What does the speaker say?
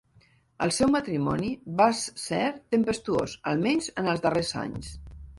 El seu matrimoni vas ser tempestuós, almenys en els darrers anys.